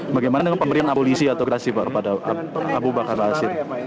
bagaimana dengan pemberian abulisi atau gerasi kepada abu bakar bashir